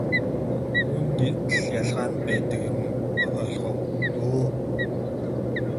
Үүнд л ялгаа нь байдаг юм ойлгов уу?